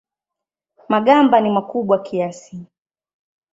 Magamba ni makubwa kiasi.